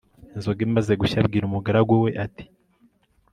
Inzoga imaze gushya abwira umugaragu we ati